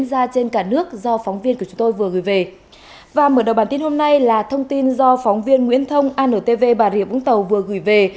và mở đầu bản tin hôm nay là thông tin do phóng viên nguyễn thông antv bà rịa vũng tàu vừa gửi về